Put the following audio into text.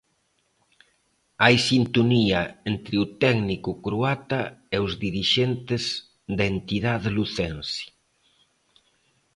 Hai sintonía entre o técnico croata e os dirixentes da entidade lucense.